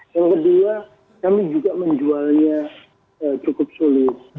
yang kedua kami juga menjualnya cukup sulit